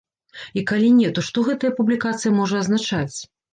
І калі не, то што гэтая публікацыя можа азначаць?